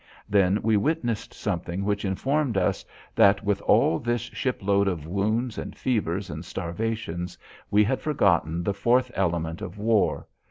Then we witnessed something which informed us that with all this ship load of wounds and fevers and starvations we had forgotten the fourth element of war.